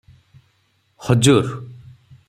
ହଜୁର!